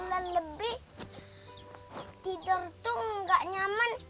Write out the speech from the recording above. tidur tuh gak nyaman